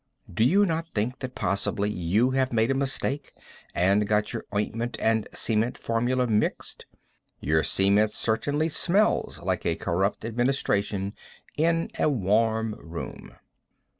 Do you not think that possibly you have made a mistake and got your ointment and cement formula mixed? Your cement certainly smells like a corrupt administration in a warm room.